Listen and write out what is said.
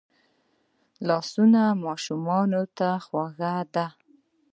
لاسونه ماشومانو ته خواږه دي